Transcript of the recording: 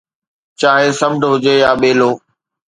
چاهي سمنڊ هجي يا ٻيلو